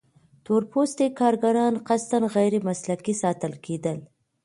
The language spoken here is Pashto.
تور پوستي کارګران قصداً غیر مسلکي ساتل کېدل.